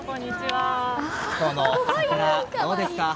今日の桜どうですか？